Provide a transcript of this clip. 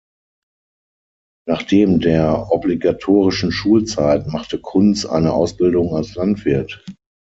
Nachdem der obligatorischen Schulzeit machte Kunz eine Ausbildung als Landwirt.